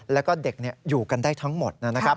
แล้วก็เด็กอยู่กันได้ทั้งหมด